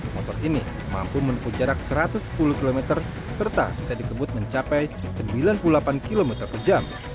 motor ini mampu menempuh jarak satu ratus sepuluh km serta bisa dikebut mencapai sembilan puluh delapan km per jam